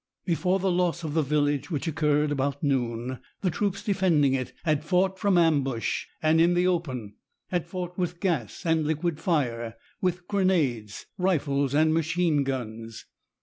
Before the loss of the village, which occurred about noon, the troops defending it had fought from ambush and in the open, had fought with gas and liquid fire, with grenades, rifles, and machine guns.